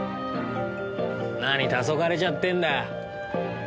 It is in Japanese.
何たそがれちゃってんだよ？